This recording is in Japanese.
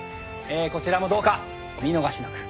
こちらもどうかお見逃しなく。